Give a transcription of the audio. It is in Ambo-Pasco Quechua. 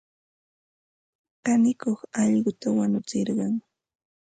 Kanikuq allquta wanutsirqan.